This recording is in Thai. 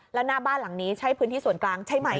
แล้วหน้าบ้านหลังนี้ใช่พื้นที่ส่วนกลางใช่ไหม